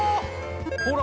ほら！